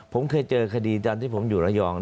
ผมเคยเจอคดีตอนที่ผมอยู่ระยอง